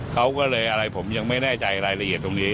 เขาก็เลยอะไรผมยังไม่แน่ใจรายละเอียดตรงนี้